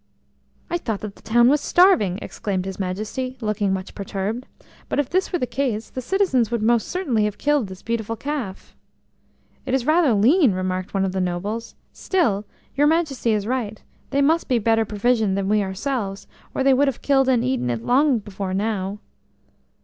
THOUGHT that the town was starving," exclaimed his Majesty, looking much perturbed, "but if this were the case the citizens would most certainly have killed this beautiful calf." "It is rather lean," remarked one of the nobles. "Still, your Majesty is right. They must be better provisioned than we ourselves, or they would have killed and eaten it long before now."